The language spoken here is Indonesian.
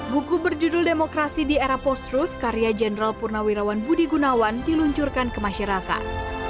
buku berjudul demokrasi di era post truth karya jenderal purnawirawan budi gunawan diluncurkan ke masyarakat